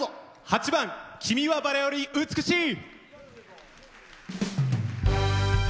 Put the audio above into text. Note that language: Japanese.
８番「君は薔薇より美しい」。